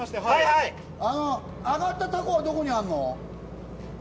揚がったタコはどこにあるの？